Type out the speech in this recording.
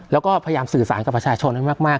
แล้วก็พยายามสื่อสารกับประชาชนให้มาก